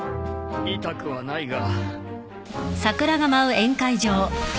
痛くはないが。